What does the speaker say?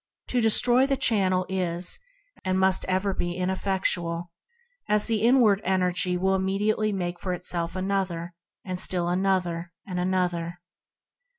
To destroy the chan nel is, and must ever be, ineffectual; the inward energy will immediately make for itself another, and still another and another.